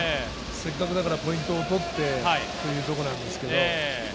せっかくだからポイント取ってというところですけど。